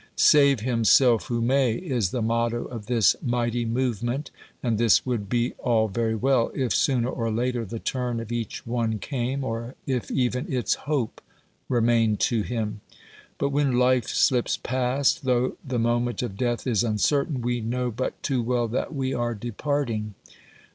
Save himself who may, is the motto of this mighty movement, and this would be all very well if, sooner or later, the turn of each one came, or if even its hope remained to him. But when life slips past, though the moment of death is uncertain, we know but too well that we are departing.